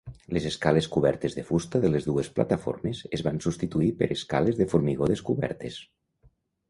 Les escales cobertes de fusta de les dues plataformes es van substituir per escales de formigó descobertes.